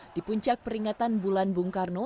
di puncak peringatan bulan bung karno